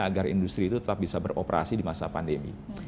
agar industri itu tetap bisa beroperasi di masa pandemi